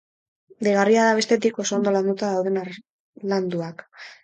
Deigarria da, bestetik, oso ondo landuta dauden harlanduak.